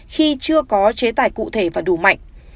khi chưa có chế tài cụ thể và đủ mạnh